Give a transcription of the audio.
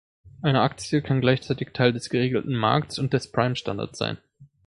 Eine Aktie kann gleichzeitig Teil des geregelten Markts und des Prime Standards sein.